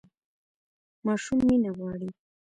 ماشوم مینه غواړي